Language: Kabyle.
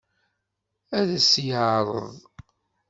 Ad as-t-yeɛṛeḍ?